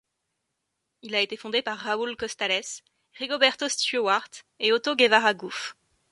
Il a été fondé par Raúl Costales, Rigoberto Stewart et Otto Guevara Guth.